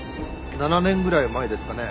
７年ぐらい前ですかね。